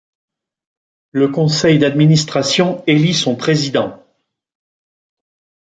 Le Conseil d'administration élit son Président.